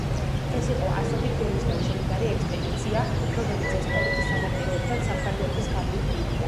ეს იყო ასობით გემისგან შემდგარი ექსპედიცია, რომელიც ესპანეთის სანაპიროებთან საფრანგეთის გავლით მივიდა.